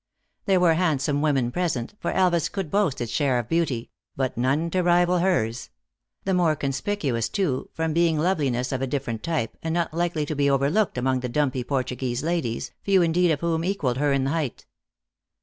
There were handsome women present for Elvas could boast its share of beaufy but none to rival hers ; the more conspicuous, too, from being loveliness of a dif ferent type, and not likely to be overlooked among the dumpy Portuguese ladies, few indeed of whom equaled her in height.